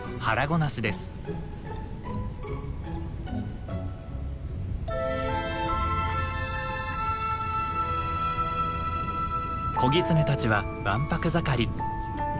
子ギツネたちはわんぱく盛り。